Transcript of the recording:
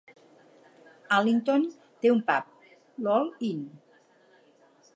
Allington té un pub, l'Old Inn.